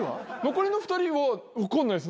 残りの２人は分かんないです